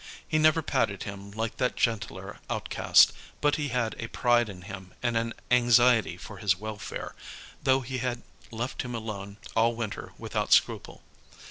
He never patted him like that gentler outcast, but he had a pride in him and an anxiety for his welfare, though he had left him alone all winter without scruple.